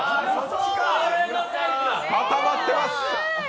固まってます。